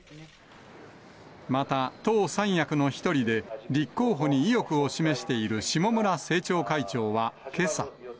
また、党三役の一人で、立候補に意欲を示している下村政調会長はけさ。